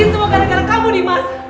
ini semua gara gara kamu dimas